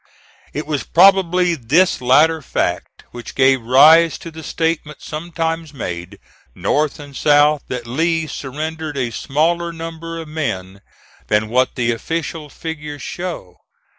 It was probably this latter fact which gave rise to the statement sometimes made, North and South, that Lee surrendered a smaller number of men than what the official figures show.